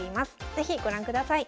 是非ご覧ください。